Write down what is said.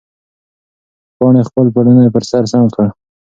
پاڼې خپل پړونی پر سر سم کړ.